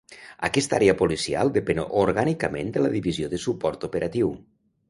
Aquesta àrea policial depèn orgànicament de la Divisió de Suport Operatiu.